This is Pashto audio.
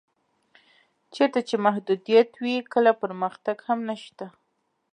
چېرته چې محدودیت وي کله پرمختګ هم نشته.